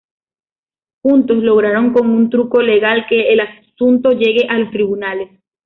Juntos logran con un truco legal, que el asunto llegue a los tribunales.